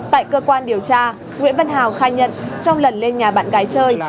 tại cơ quan điều tra nguyễn văn hào khai nhận trong lần lên nhà bạn gái chơi